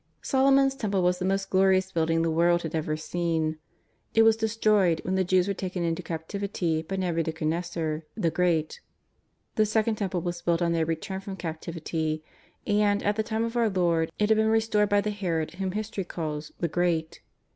Solomon's Temple was the most glorious building the world has ever seen. It was destroyed when the Jews were taken into captivity by Xabuchodonosor the Great. The Second Temple was built on their return from cap tivity, and, at the time of our Lord, it had been restored by the Herod whom history calls '' the Great."